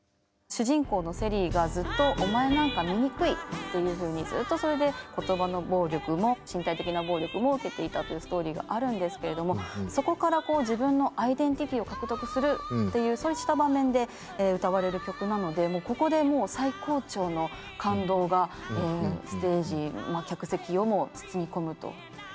主人公のセリーがずっと「お前なんか醜い」っていうふうにずっとそれで言葉の暴力も身体的な暴力も受けていたというストーリーがあるんですけれどもそこから自分のアイデンティティーを獲得するっていうそうした場面で歌われる曲なのでここでもう最高潮の感動がステージ客席をも包み込むと。